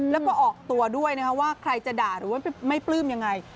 แล้วก็ออกตัวด้วยนะคะว่าใครจะด่าหรือว่าไม่ปลื้มยังไง